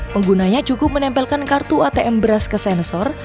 penggunanya cukup menempelkan kartu atm beras ke sensor